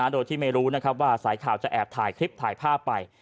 โดยที่ไม่รู้นะครับว่าสายข่าวจะแอบถ่ายคลิปถ่ายภาพไป